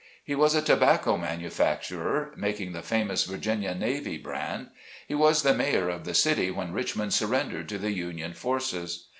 He was a tobacco manufacturer, making the famous Virginia Navy Brand. He was the mayor of the city when Richmond surrendered to the Union forces.